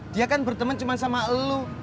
dia kan bertemen cuman sama elu